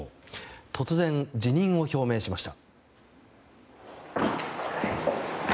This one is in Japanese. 突然辞任を表明しました。